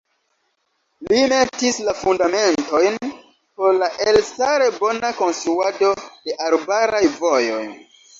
Li metis la fundamentojn por la elstare bona konstruado de arbaraj vojoj.